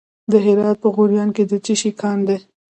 د هرات په غوریان کې د څه شي کان دی؟